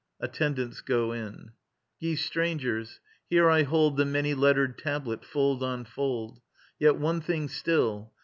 [ATTENDANTS go in.] Ye strangers, here I hold The many lettered tablet, fold on fold. Yet ... one thing still.